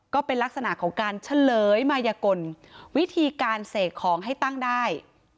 ก็เป็นลักษณะของการเฉลยมายกลวิธีการเสกของให้ตั้งได้